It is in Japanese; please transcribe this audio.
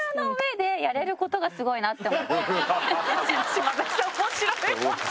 島崎さん面白い。